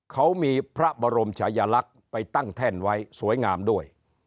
เขามีพระบรมชายลักษณ์ไปตั้งแท่นไว้สวยงามด้วย